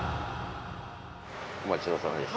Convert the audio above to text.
お待ちどおさまでした。